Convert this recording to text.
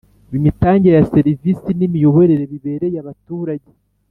imitangire ya serivisi n’imiyoborere bibereye abaturage